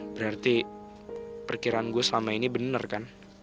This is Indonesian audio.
berarti perkiraan gue selama ini benar kan